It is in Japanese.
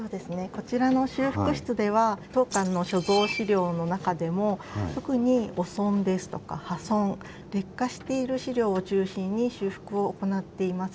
こちらの修復室では当館の所蔵資料の中でも特に汚損ですとか破損劣化している資料を中心に修復を行っています。